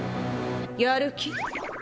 やる気？